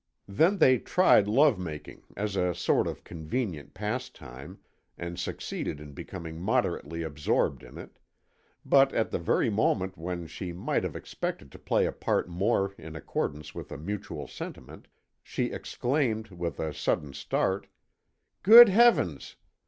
Then they tried love making as a sort of convenient pastime, and succeeded in becoming moderately absorbed in it; but at the very moment when she might have been expected to play a part more in accordance with a mutual sentiment, she exclaimed with a sudden start: "Good Heavens!